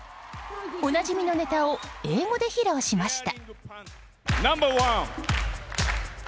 おなじみのネタを英語で披露しました。